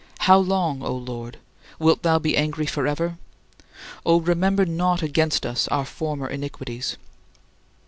How long, O Lord? Wilt thou be angry forever? Oh, remember not against us our former iniquities."